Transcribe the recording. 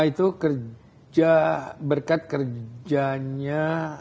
itu kerja berkat kerjanya